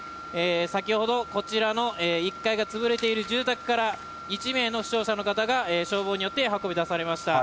先ほど、こちらの１階が潰れている住宅から１名の負傷者の方が消防によって運び出されました。